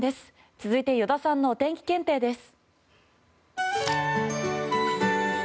続いて依田さんのお天気検定です。